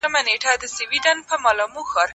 د زمانې جبر اغېز کړی و